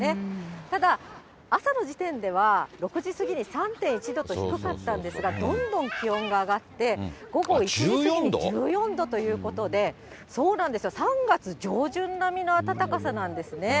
ただ、朝の時点では、６時過ぎに３．１度と低かったんですが、どんどん気温が上がって、午後１時過ぎにすでに１４度ということで、３月上旬並みの暖かさなんですね。